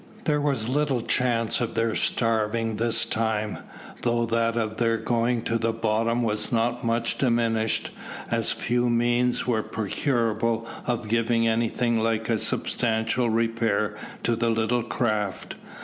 There was little chance of their starving this time, though that of their going to the bottom was not much diminished, as few means were procurable of giving anything like a substantial repair to the little craft.